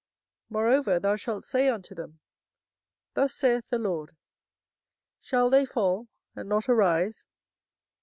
24:008:004 Moreover thou shalt say unto them, Thus saith the LORD; Shall they fall, and not arise?